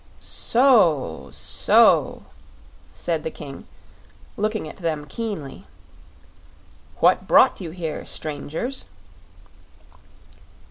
"So so," said the King, looking at them keenly. "What brought you here, strangers?"